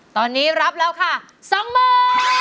ตอนนี้รับแล้วค่ะ๒มือ